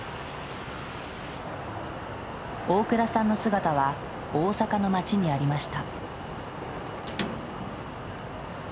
大倉さんの姿は大阪の街にありました。